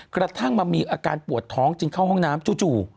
กระทั่งมามีอาการปวดท้องจึงเข้าห้องน้ำจู่